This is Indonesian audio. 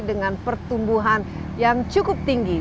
dengan pertumbuhan yang cukup tinggi